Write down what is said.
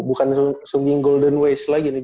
bukan sunging golden waste lagi nih